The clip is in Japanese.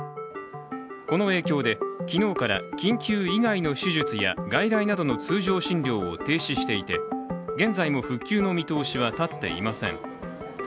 この影響で、昨日から緊急以外の手術や外来などの通常診療を停止していて、現在も復旧の見通しは立っていません。